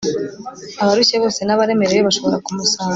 abarushye bose n’abaremerewe bashobora kumusanga